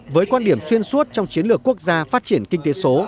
với quan điểm xuyên suốt trong chiến lược quốc gia phát triển kinh tế số